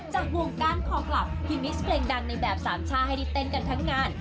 จากวงการคอคลับที่มิกซ์เพลงดังในแบบสามชาห์ให้ดิเต้นกันทั้งงาน